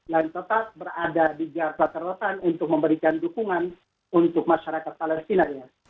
yang tetap berada di jadwal terletak untuk memberikan dukungan untuk masyarakat palestina